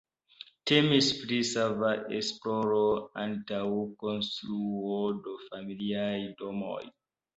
Temis pri sava esploro antaŭ konstruo de familiaj domoj.